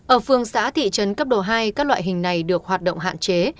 ở phương xã thị trấn cấp độ hai các loại hình này được hoạt động hạn chế